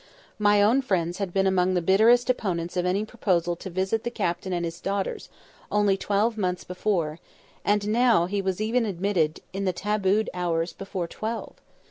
My own friends had been among the bitterest opponents of any proposal to visit the Captain and his daughters, only twelve months before; and now he was even admitted in the tabooed hours before twelve.